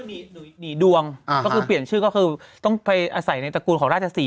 หนีดวงก็คือเปลี่ยนชื่อก็คือต้องไปอาศัยในตระกูลของราชศรี